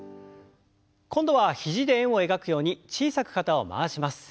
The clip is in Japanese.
今度は肘で円を描くように小さく肩を回します。